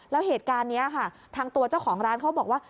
แล้วเหตุการณ์นี้ค่ะทางตัวเจ้าของร้านเขาบอกว่า